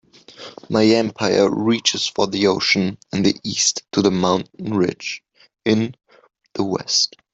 My empire reaches from the ocean in the East to the mountain ridge in the West.